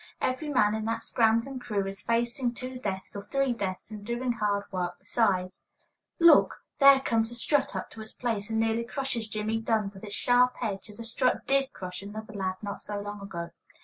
Every man in that scrambling crew is facing two deaths, or three deaths, and doing hard work besides. Look! There comes the strut up to its place, and nearly crushes Jimmie Dunn with its sharp edge, as a strut did crush another lad not so long ago.